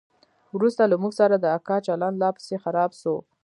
وروسته له موږ سره د اکا چلند لا پسې خراب سو.